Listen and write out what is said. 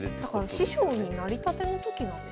だから師匠になりたての時なんですかね。